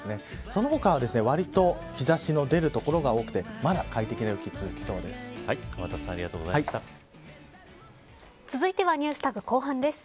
その他は、わりと日差しが出る所が多くてまだ快適な陽気が続きそうです。